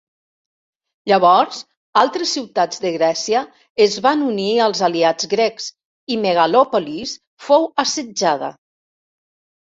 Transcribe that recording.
Llavors altres ciutats de Grècia es van unir als aliats grecs, i Megalòpolis fou assetjada.